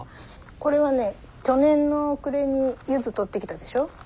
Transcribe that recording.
これはね去年の暮れにユズ採ってきたでしょ？